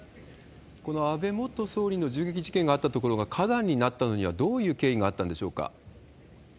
この安倍元総理の銃撃事件があった所が花壇になったのには、どういう経緯があったんでしょうか。